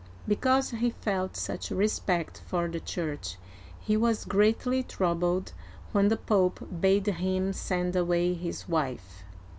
Because he felt such respect for the Church, he was greatly troubled when the Pope bade him send away his wife.